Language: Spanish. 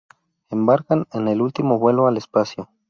Embarcan en el último vuelo al espacio.